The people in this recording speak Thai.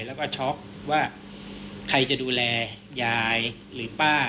แล้วก็ช็อกว่าใครจะดูแลยายหรือป้า